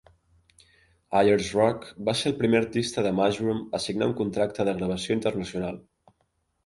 Ayers Rock va ser el primer artista de Mushroom a signar un contracte de gravació internacional.